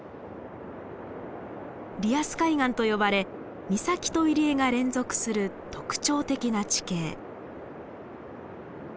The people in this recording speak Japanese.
リアス海岸と呼ばれ岬と入り江が連続する特徴的な地形。